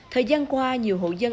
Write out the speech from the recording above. thời gian qua nhiều hộ dân